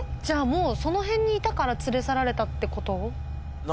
その辺にいたから連れ去られたってこと？